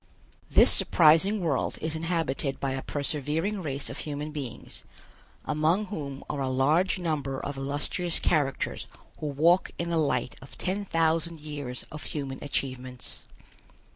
This surprising world is inhabited by a persevering race of human beings, among whom are a large number of illustrious characters who walk in the light of ten thousand years of human achievements.